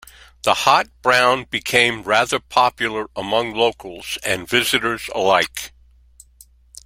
The Hot Brown became rather popular among locals and visitors alike.